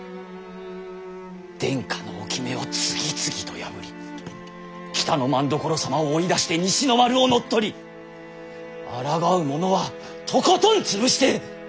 殿下の置目を次々と破り北政所様を追い出して西の丸を乗っ取りあらがう者はとことん潰して！